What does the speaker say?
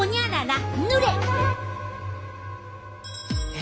え？